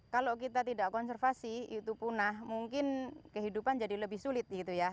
kalau kita tidak konservasi itu punah mungkin kehidupan jadi lebih sulit gitu ya